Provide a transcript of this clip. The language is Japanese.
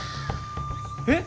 えっ！？